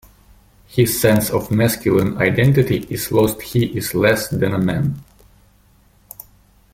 His sense of masculine identity is lost-he is less than a man.